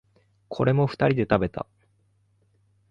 これも二人で食べた。